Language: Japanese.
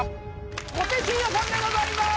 小手伸也さんでございます。